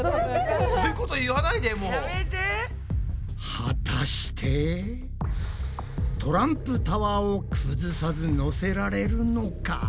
果たしてトランプタワーを崩さずのせられるのか？